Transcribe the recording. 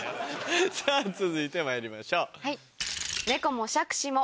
さぁ続いてまいりましょう。